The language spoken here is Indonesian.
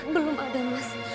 belum ada mas